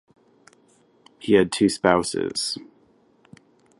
He had two spouses.